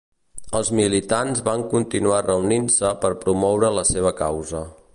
Els militants van continuar reunint-se per promoure la seva causa.